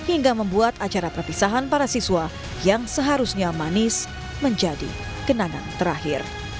hingga membuat acara perpisahan para siswa yang seharusnya manis menjadi kenangan terakhir